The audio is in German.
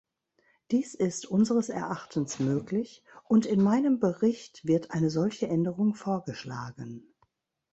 Dies ist unseres Erachtens möglich, und in meinem Bericht wird eine solche Änderung vorgeschlagen.